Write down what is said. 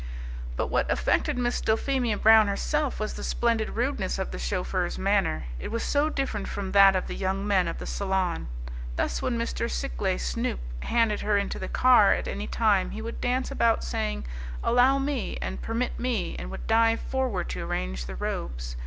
But what affected Miss Dulphemia Brown herself was the splendid rudeness of the chauffeur's manner. It was so different from that of the young men of the salon. Thus, when Mr. Sikleigh Snoop handed her into the car at any time he would dance about saying, "Allow me," and "Permit me," and would dive forward to arrange the robes.